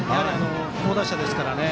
好打者ですからね。